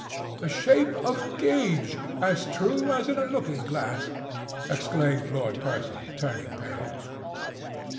"The shape of Gage, as true as in a looking glass!" exclaimed Lord Percy, turning pale.